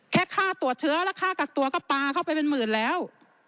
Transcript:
แค่ค่าตรวจเชื้อแล้วค่ากักตัวก็ปลาเข้าไปเป็นหมื่นแล้ว